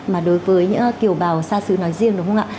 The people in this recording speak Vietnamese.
mà đối với những kiều bào xa xứ nói riêng đúng không ạ